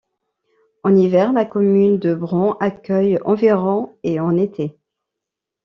En hiver, la commune de Brand accueille environ et en été.